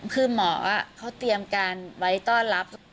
คือหมอเขาเตรียมการไว้ต้อนรับ